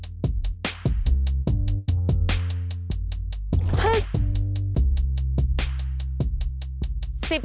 พึบ